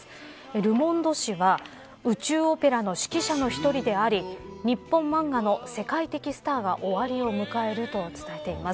ルモンド紙は宇宙オペラの指揮者の１人であり日本漫画の世界的スターが終わりを迎えると伝えています。